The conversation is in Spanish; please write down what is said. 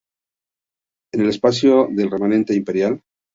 En el espacio del Remanente Imperial.